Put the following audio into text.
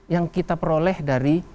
yang kita peroleh dari